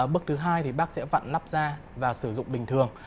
bước thứ hai thì bác sẽ vặn lắp ra và sử dụng bình thường